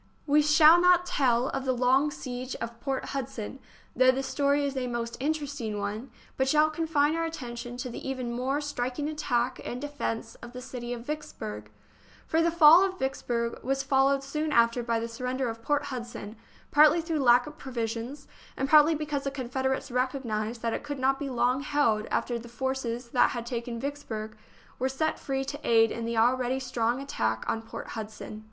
We shall not tell of the long siege of Port Hud son, though the story is a most interesting one, but shall confine our attention to the even more striking attack and defence of the city of Vicks burg; for the fall of Vicksburg was followed soon after by the surrender of Port Hudson, partly through lack of provisions, and partly because the Confederates recognised that it could not be long held after the forces that had taken Vicksburg were set free to aid in the already strong attack on Port Hudson.